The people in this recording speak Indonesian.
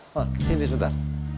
oh sindi sebentar